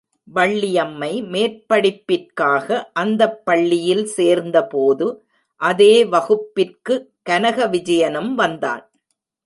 வள்ளியம்மை மேற்படிப்பிற்காக அந்தப் பள்ளியில் சேர்ந்த போது அதே வகுப்பிற்கு கனக விஜயனும் வந்தான்.